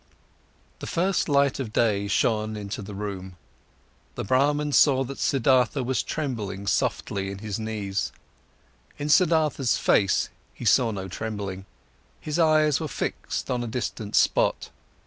The first light of day shone into the room. The Brahman saw that Siddhartha was trembling softly in his knees. In Siddhartha's face he saw no trembling, his eyes were fixed on a distant spot.